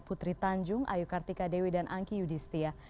putri tanjung ayu kartika dewi dan angki yudhistia